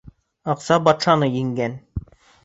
Аҡса батшаны еңгән.